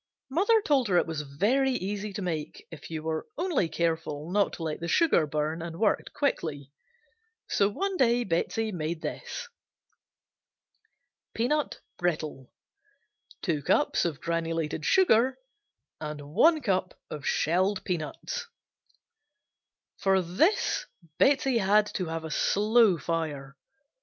Mother told her it was very easy to make if you were only careful not to let the sugar burn and worked quickly, so one day Betsey made this Peanut Brittle Sugar (granulated), 2 cups Peanuts (shelled), 1 cup For this Betsey had to have a slow fire.